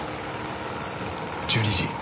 １２時。